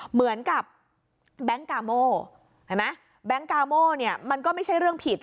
เหมือนกับแบงค์กาโมเห็นไหมแบงค์กาโม่เนี่ยมันก็ไม่ใช่เรื่องผิด